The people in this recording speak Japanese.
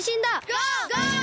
ゴー！